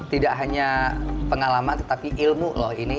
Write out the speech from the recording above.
tidak hanya pengalaman tetapi ilmu loh ini